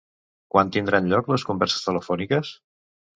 Quan tindran lloc les converses telefòniques?